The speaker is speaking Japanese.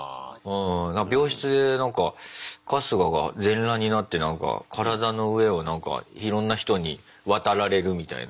病室でなんか春日が全裸になって体の上をなんかいろんな人に渡られるみたいな。